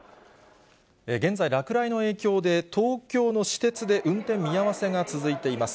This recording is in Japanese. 現在、落雷の影響で東京の私鉄で運転見合わせが続いています。